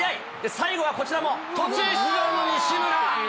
最後はこちらも途中出場の西村。